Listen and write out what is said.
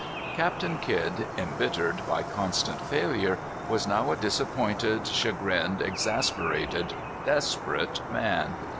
Captain Kidd, imbittered by constant failure, was now a disappointed, chagrined, exasperated, desperate man.